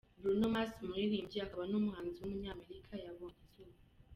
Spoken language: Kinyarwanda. Bruno Mars, umuririmbyi akaba n’umuhanzi w’umunyamerika yabonye izuba.